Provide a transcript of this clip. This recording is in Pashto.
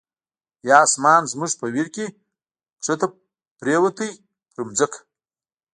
یا آسمان زمونږ په ویر کی، ښکته پریوته په ځمکه